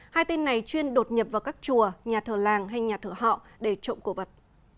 hai tên này chuyên đột nhập vào các chùa nhà thờ làng hay nhà thờ họ để trộm cổ vật